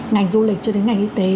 ngành du lịch cho đến ngành y tế